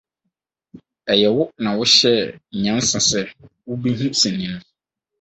Ɛyɛ wo na wohyɛɛ nyansa sɛ wubehu saa sini no.